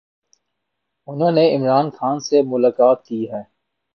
انھوں نے عمران خان سے ملاقات کی ہے۔